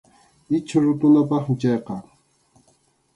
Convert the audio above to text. Ichhu rutunapaqmi chayqa.